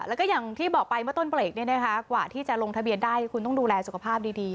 แล้วก็อย่างที่บอกไปเมื่อต้นเบรกนี้นะคะกว่าที่จะลงทะเบียนได้คุณต้องดูแลสุขภาพดี